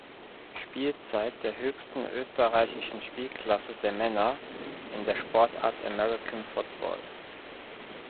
Spielzeit der höchsten österreichischen Spielklasse der Männer in der Sportart American Football.